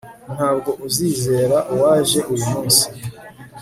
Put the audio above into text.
Ntabwo uzizera uwaje uyu munsi